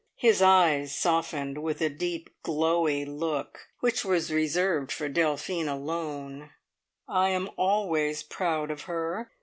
His eyes softened with a deep glowey look, which was reserved for Delphine alone. "I am always proud of her.